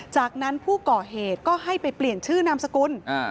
จากนั้นผู้ก่อเหตุก็ให้ไปเปลี่ยนชื่อนามสกุล